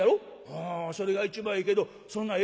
「うんそれが一番ええけどそんなええ